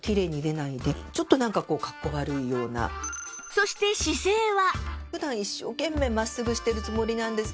そして姿勢は